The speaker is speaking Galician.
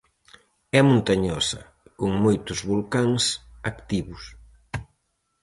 É montañosa, con moitos volcáns activos.